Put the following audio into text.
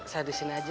saya di sini aja